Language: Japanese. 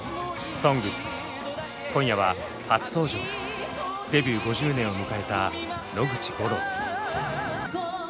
「ＳＯＮＧＳ」今夜は初登場デビュー５０年を迎えた野口五郎。